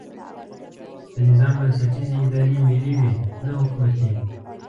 د نظام بنسټیزې ادارې ملي وي نه حکومتي.